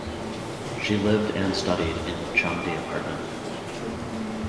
She lived and studied in Changde Apartment.